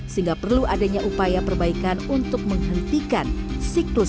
sehingga perlu adanya upaya perbaikan untuk menghentikan siklus